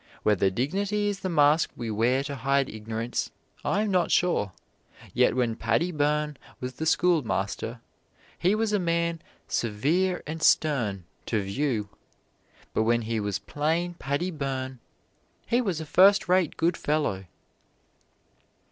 Whether dignity is the mask we wear to hide ignorance, I am not sure, yet when Paddy Byrne was the schoolmaster he was a man severe and stern to view; but when he was plain Paddy Byrne he was a first rate good fellow.